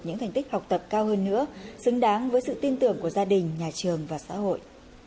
những thành tích học tập cao hơn nữa xứng đáng với sự tin tưởng của gia đình nhà trường và xã hội